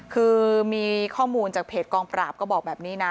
คือมีข้อมูลจากเพจกองปราบก็บอกแบบนี้นะ